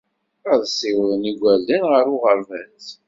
Ad ssiwḍent igerdan ɣer uɣerbaz.